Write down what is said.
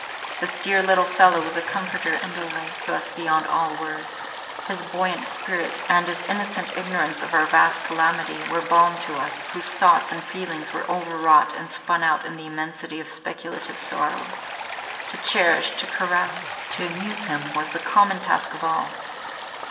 This dear little fellow was a comforter and delight to us beyond all words. His buoyant spirit, and his innocent ignorance of our vast calamity, were balm to us, whose thoughts and feelings were over wrought and spun out in the immensity of speculative sorrow. To cherish, to caress, to amuse him was the common task of all.